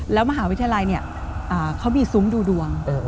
แล้วมหาวิทยาลัยเขามีซุ้มดูดวง